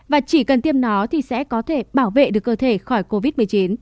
và chỉ cần tiêm nó thì sẽ có thể bảo vệ được cơ thể khỏi covid một mươi chín